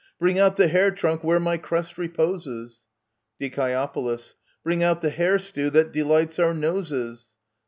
Bring out the hair trunk where my crest reposes ! Die. Bring out the hare stew that delights our noses